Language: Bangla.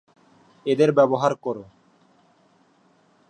এদের ব্যবহার করো।